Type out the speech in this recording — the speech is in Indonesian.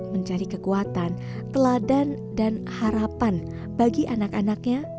mencari kekuatan teladan dan harapan bagi anak anaknya